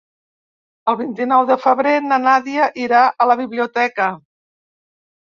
El vint-i-nou de febrer na Nàdia irà a la biblioteca.